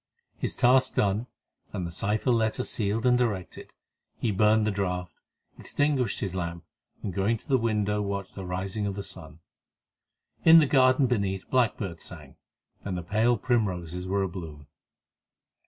His task done, and the cipher letter sealed and directed, he burned the draft, extinguished his lamp, and, going to the window, watched the rising of the sun. In the garden beneath blackbirds sang, and the pale primroses were abloom.